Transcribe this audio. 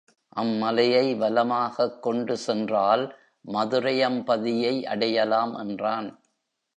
அம்மலையை வலமாகக் கொண்டு சென்றால் மதுரையம்பதியை அடையலாம் என்றான்.